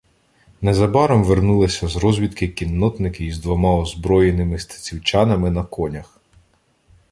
Незабаром вернулися з розвідки кіннотники із двома озброєними стецівчанами на конях.